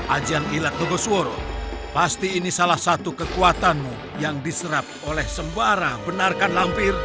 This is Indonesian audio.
ajian ilat gogosworo pasti ini salah satu kekuatanmu yang diserap oleh sembara benarkan lampir